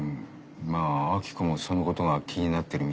まあ明子もそのことが気になってるみたいだけど。